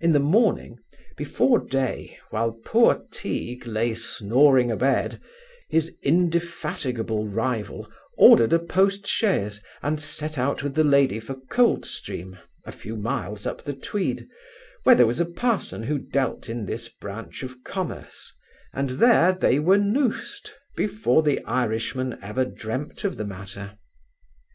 In the morning, before day, while poor Teague lay snoring a bed, his indefatigable rival ordered a post chaise, and set out with the lady for Coldstream, a few miles up the Tweed, where there was a parson who dealt in this branch of commerce, and there they were noosed, before the Irishman ever dreamt of the matter.